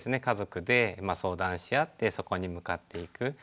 家族で相談し合ってそこに向かっていく。